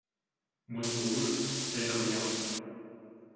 Moi tout rouge, -elle riant.